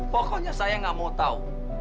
pokoknya saya nggak mau tahu